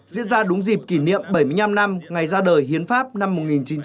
diễn ra đúng dịp kỷ niệm bảy mươi năm năm ngày ra đời hiến pháp năm một nghìn chín trăm ba mươi